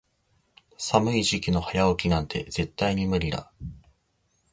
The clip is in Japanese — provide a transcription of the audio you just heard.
寒い時期の早起きなんて絶対に無理だ。